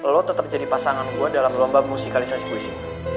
lo tetep jadi pasangan gue dalam lomba musikalisasi kuisi